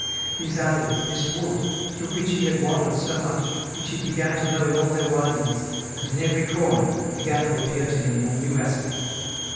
These alleys, this wood, through which he had wandered so much, which he began to know in all their windings, and in every corner, began to appear to him in a new aspect.